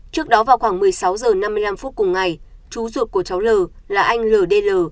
trước đó vào khoảng một mươi sáu h năm mươi năm phút cùng ngày chú ruột của cháu l là anh ld